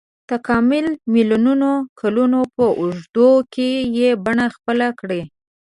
تکامل میلیونونو کلونو په اوږدو کې یې بڼه خپله کړې.